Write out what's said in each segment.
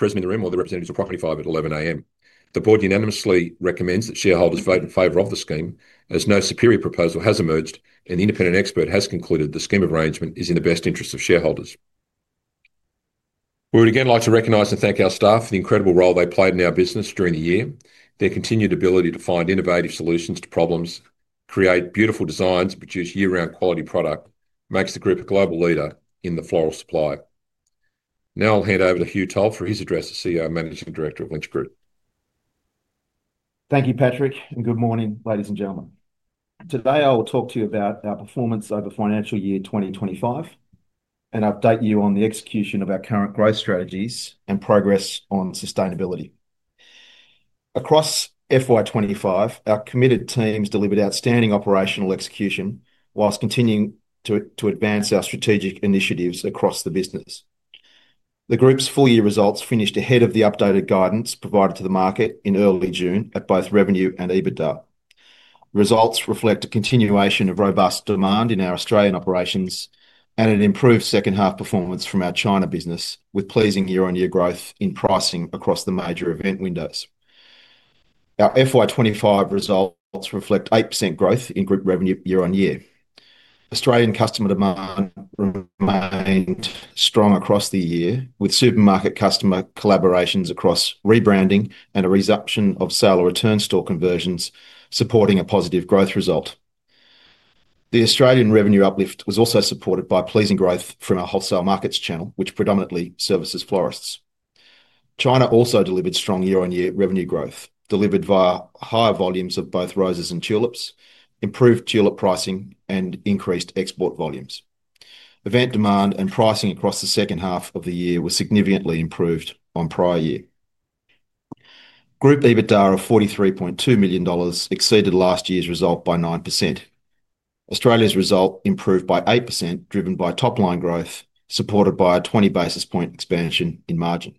President of the Room or the representatives of Property 5 at 11:00 A.M. The Board unanimously recommends that shareholders vote in favor of the scheme as no superior proposal has emerged, and the independent expert has concluded the scheme arrangement is in the best interest of shareholders. We would again like to recognize and thank our staff for the incredible role they played in our business during the year. Their continued ability to find innovative solutions to problems, create beautiful designs, and produce year-round quality product makes the Group a global leader in the floral supply. Now I'll hand over to Hugh Toll for his address as CEO and Managing Director of Lynch Group. Thank you, Patrick, and good morning, ladies and gentlemen. Today I will talk to you about our performance over financial year 2025 and update you on the execution of our current growth strategies and progress on sustainability. Across FY 2025, our committed teams delivered outstanding operational execution whilst continuing to advance our strategic initiatives across the business. The Group's full-year results finished ahead of the updated guidance provided to the market in early June at both revenue and EBITDA. Results reflect a continuation of robust demand in our Australian operations and an improved second-half performance from our China business, with pleasing year-on-year growth in pricing across the major event windows. Our FY 2025 results reflect 8% growth in Group revenue year-on-year. Australian customer demand remained strong across the year, with supermarket customer collaborations across rebranding and a reduction of sale or return store conversions supporting a positive growth result. The Australian revenue uplift was also supported by pleasing growth from our wholesale markets channel, which predominantly services florists. China also delivered strong year-on-year revenue growth, delivered via higher volumes of both roses and tulips, improved tulip pricing, and increased export volumes. Event demand and pricing across the second half of the year were significantly improved on prior year. Group EBITDA of AUD 43.2 million exceeded last year's result by 9%. Australia's result improved by 8%, driven by top-line growth supported by a 20 basis point expansion in margin.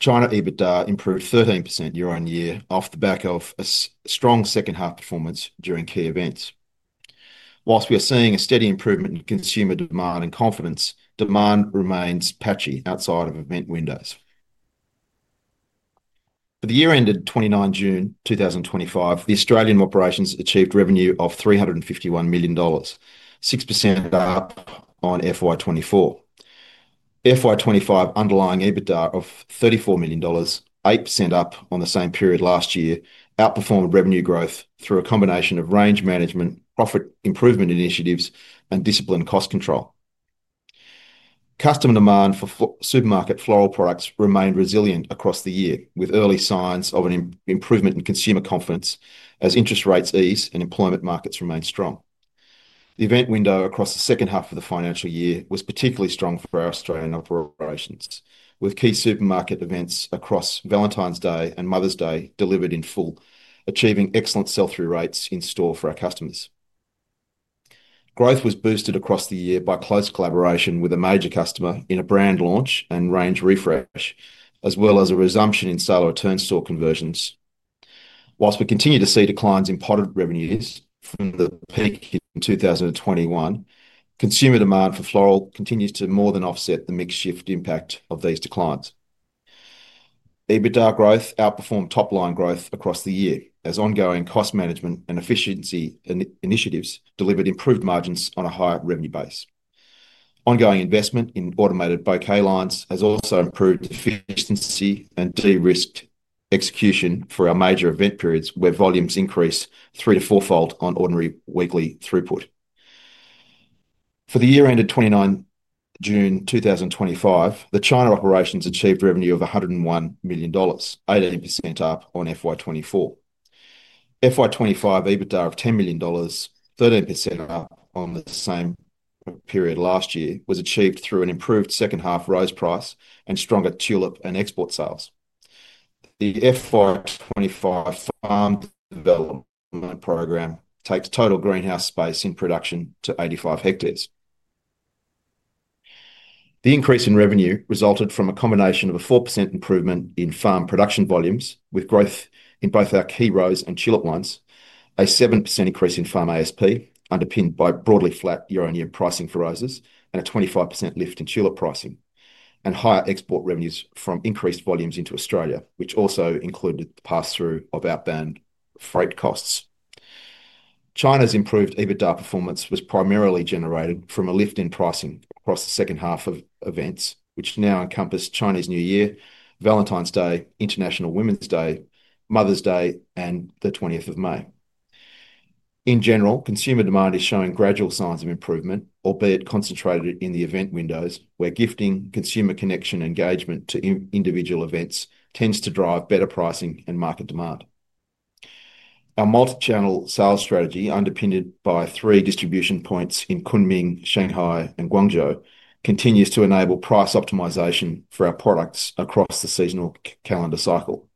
China EBITDA improved 13% year-on-year off the back of a strong second-half performance during key events. Whilst we are seeing a steady improvement in consumer demand and confidence, demand remains patchy outside of event windows. For the year ended 29 June 2025, the Australian operations achieved revenue of 351 million dollars, +6% on FY 2024. FY 2025 underlying EBITDA of AUD 34 million, +8% on the same period last year, outperformed revenue growth through a combination of range management, profit improvement initiatives, and disciplined cost control. Customer demand for supermarket floral products remained resilient across the year, with early signs of an improvement in consumer confidence as interest rates eased and employment markets remained strong. The event window across the second half of the financial year was particularly strong for our Australian operations, with key supermarket events across Valentine's Day and Mother's Day delivered in full, achieving excellent sell-through rates in store for our customers. Growth was boosted across the year by close collaboration with a major customer in a brand launch and range refresh, as well as a resumption in sale or return store conversions. Whilst we continue to see declines in potted revenues from the peak in 2021, consumer demand for floral continues to more than offset the mixed-shift impact of these declines. EBITDA growth outperformed top-line growth across the year as ongoing cost management and efficiency initiatives delivered improved margins on a higher revenue base. Ongoing investment in automated bouquet lines has also improved efficiency and de-risked execution for our major event periods where volumes increase three- to four-fold on ordinary weekly throughput. For the year ended 29 June 2025, the China operations achieved revenue of 101 million dollars, +18% on FY 2024. FY 2025 EBITDA of 10 million dollars, +13% on the same period last year, was achieved through an improved second-half rose price and stronger tulip and export sales. The FY 2025 farm development programme takes total greenhouse space in production to 85 hectares. The increase in revenue resulted from a combination of a 4% improvement in farm production volumes, with growth in both our key rose and tulip lines, a 7% increase in farm ASP, underpinned by broadly flat year-on-year pricing for roses, and a 25% lift in tulip pricing, and higher export revenues from increased volumes into Australia, which also included the pass-through of outbound freight costs. China's improved EBITDA performance was primarily generated from a lift in pricing across the second half of events, which now encompass Chinese New Year, Valentine's Day, International Women's Day, Mother's Day, and the 20th of May. In general, consumer demand is showing gradual signs of improvement, albeit concentrated in the event windows where gifting, consumer connection, and engagement to individual events tends to drive better pricing and market demand. Our multi-channel sales strategy, underpinned by three distribution points in Kunming, Shanghai, and Guangzhou, continues to enable price optimisation for our products across the seasonal calendar cycle.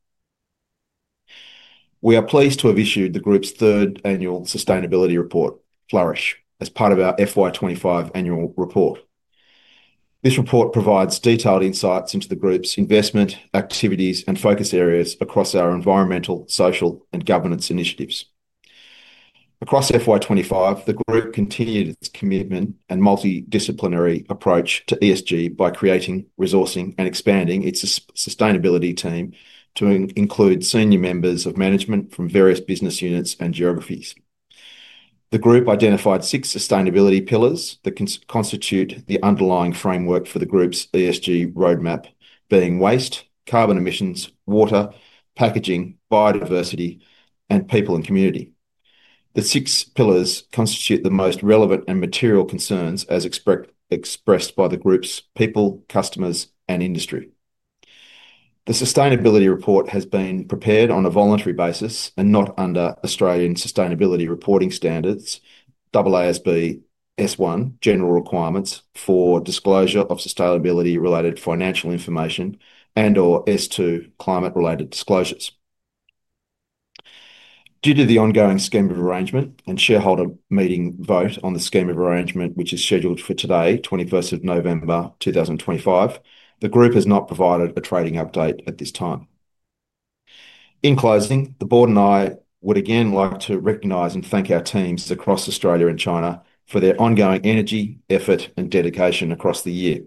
We are pleased to have issued the Group's third Annual Sustainability Report, Flourish, as part of our FY 2025 Annual Report. This report provides detailed insights into the Group's investment activities and focus areas across our environmental, social, and governance initiatives. Across FY 2025, the Group continued its commitment and multidisciplinary approach to ESG by creating, resourcing, and expanding its sustainability team to include senior members of management from various business units and geographies. The Group identified six sustainability pillars that constitute the underlying framework for the Group's ESG roadmap, being waste, carbon emissions, water, packaging, biodiversity, and people and community. The six pillars constitute the most relevant and material concerns as expressed by the Group's people, customers, and industry. The sustainability report has been prepared on a voluntary basis and not under Australian sustainability reporting standards, AASB S1 general requirements for disclosure of sustainability-related financial information and/or S2 climate-related disclosures. Due to the ongoing scheme of arrangement and shareholder meeting vote on the scheme of arrangement, which is scheduled for today, 21st of November 2025, the Group has not provided a trading update at this time. In closing, the Board and I would again like to recognize and thank our teams across Australia and China for their ongoing energy, effort, and dedication across the year.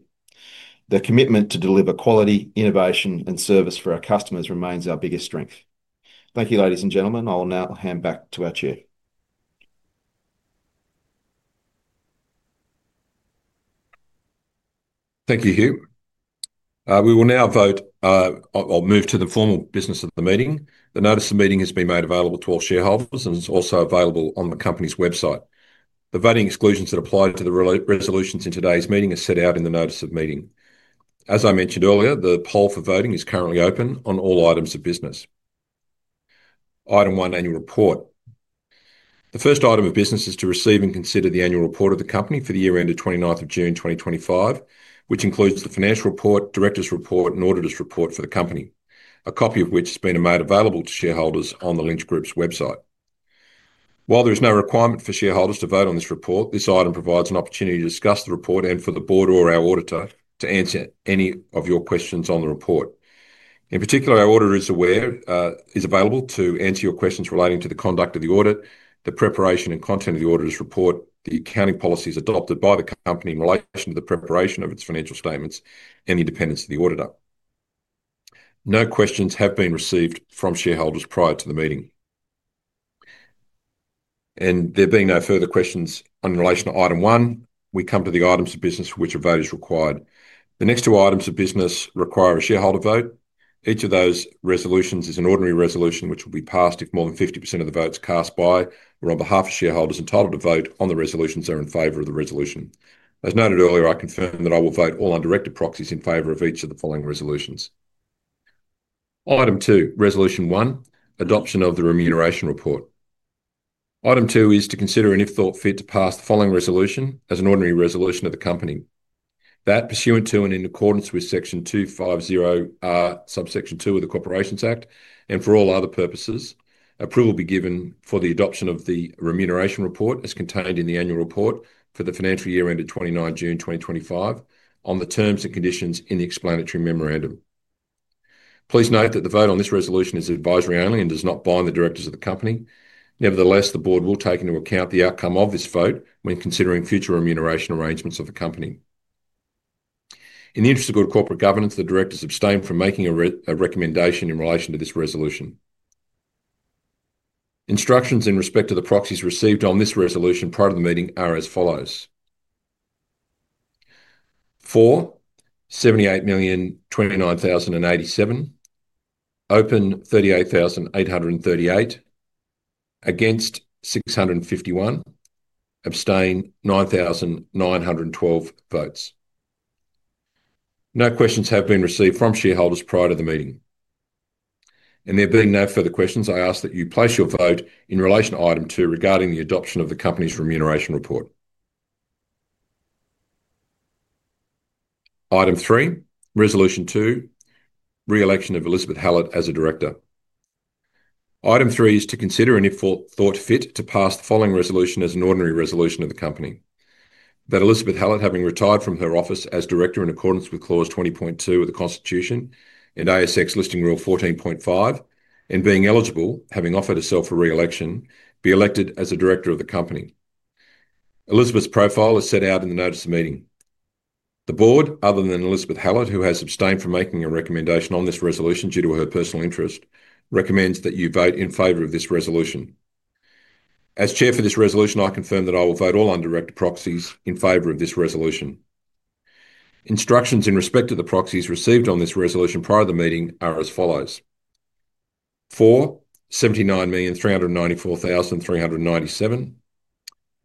Their commitment to deliver quality, innovation, and service for our customers remains our biggest strength. Thank you, ladies and gentlemen. I'll now hand back to our Chair. Thank you, Hugh. We will now vote or move to the formal business of the meeting. The notice of meeting has been made available to all shareholders and is also available on the company's website. The voting exclusions that apply to the resolutions in today's meeting are set out in the notice of meeting. As I mentioned earlier, the poll for voting is currently open on all items of business. Item one, Annual Report. The first item of business is to receive and consider the Annual Report of the company for the year-ended 29th of June 2025, which includes the Financial Report, Director's Report, and Auditor's Report for the company, a copy of which has been made available to shareholders on the Lynch Group's website. While there is no requirement for shareholders to vote on this report, this item provides an opportunity to discuss the report and for the Board or our auditor to answer any of your questions on the report. In particular, our auditor is available to answer your questions relating to the conduct of the audit, the preparation and content of the auditor's report, the accounting policies adopted by the company in relation to the preparation of its financial statements, and the independence of the auditor. No questions have been received from shareholders prior to the meeting. There being no further questions in relation to item one, we come to the items of business for which a vote is required. The next two items of business require a shareholder vote. Each of those resolutions is an ordinary resolution which will be passed if more than 50% of the votes cast by or on behalf of shareholders entitled to vote on the resolutions are in favour of the resolution. As noted earlier, I confirm that I will vote all undirected proxies in favour of each of the following resolutions. Item two, resolution one, adoption of the remuneration report. Item two is to consider and, if thought fit, to pass the following resolution as an ordinary resolution of the company that, pursuant to and in accordance with section 250, subsection two of the Corporations Act, and for all other purposes, approval be given for the adoption of the remuneration report as contained in the Annual Report for the financial year ended 29 June 2025 on the terms and conditions in the explanatory memorandum. Please note that the vote on this resolution is advisory only and does not bind the directors of the company. Nevertheless, the Board will take into account the outcome of this vote when considering future remuneration arrangements of the company. In the interest of good corporate governance, the directors abstain from making a recommendation in relation to this resolution. Instructions in respect to the proxies received on this resolution prior to the meeting are as follows. For 78,029,087, open 38,838, against 651, abstain 9,912 votes. No questions have been received from shareholders prior to the meeting. There being no further questions, I ask that you place your vote in relation to item two regarding the adoption of the company's remuneration report. Item three, resolution two, re-election of Elizabeth Hallett as a Director. Item three is to consider and if thought fit to pass the following resolution as an ordinary resolution of the company. That Elizabeth Hallett, having retired from her office as Director in accordance with clause 20.2 of the Constitution and ASX listing rule 14.5, and being eligible, having offered herself for re-election, be elected as a Director of the company. Elizabeth's profile is set out in the notice of meeting. The Board, other than Elizabeth Hallett, who has abstained from making a recommendation on this resolution due to her personal interest, recommends that you vote in favor of this resolution. As Chair for this resolution, I confirm that I will vote all undirected proxies in favor of this resolution. Instructions in respect to the proxies received on this resolution prior to the meeting are as follows. For 79,394,397,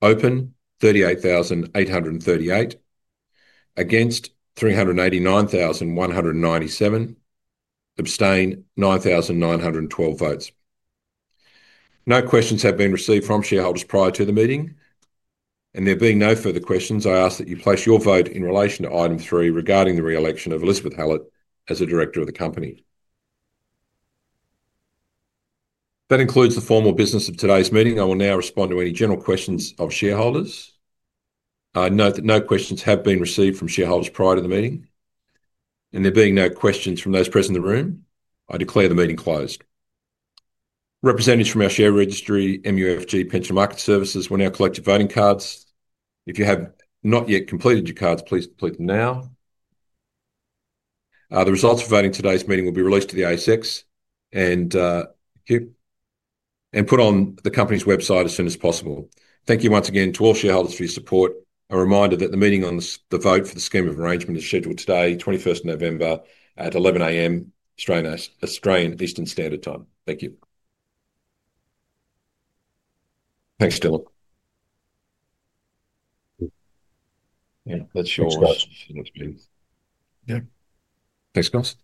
open 38,838, against 389,197, abstain 9,912 votes. No questions have been received from shareholders prior to the meeting. There being no further questions, I ask that you place your vote in relation to item three regarding the re-election of Elizabeth Hallett as a director of the company. That includes the formal business of today's meeting. I will now respond to any general questions of shareholders. Note that no questions have been received from shareholders prior to the meeting. There being no questions from those present in the room, I declare the meeting closed. Representatives from our share registry, MUFG Pension Market Services, will now collect your voting cards. If you have not yet completed your cards, please complete them now. The results of voting at today's meeting will be released to the ASX and put on the company's website as soon as possible. Thank you once again to all shareholders for your support. A reminder that the meeting on the vote for the scheme of arrangement is scheduled today, 21st November at 11:00 A.M. Australian Eastern Standard Time. Thank you. Thanks, Toll. Yeah, that's yours. Yeah. Thanks, guys.